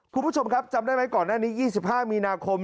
คุณผู้ชมครับจำได้ไหมก่อนหน้านี้๒๕มีนาคม